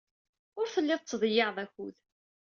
Ur tellid tettḍeyyiɛed akud.